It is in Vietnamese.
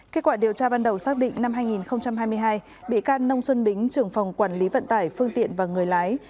kết quả điều tra ban đầu xác định năm hai nghìn hai mươi hai bị can nông xuân bính trưởng phòng quản lý vận tải phương tiện và người lái